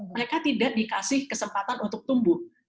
mereka tidak dikasih kesempatan untuk tumbuh